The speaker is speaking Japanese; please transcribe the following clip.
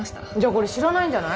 これ知らないんじゃない？